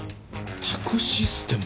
宅・システム？